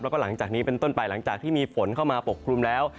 แล้วก็หลังจากนี้เป็นต้นไปหลังจากที่มีฝนเข้ามาปกคลุมแล้ว